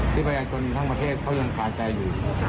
ที่ประชาชนทั้งประเทศเขายังคาใจอยู่